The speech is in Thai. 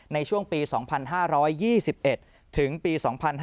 ในช่วงปี๒๕๒๑ถึงปี๒๕๕๙